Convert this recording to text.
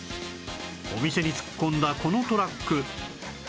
お店に突っ込んだこのトラック